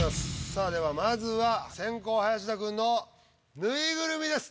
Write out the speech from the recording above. さあではまずは先攻・林田君の「ぬいぐるみ」です。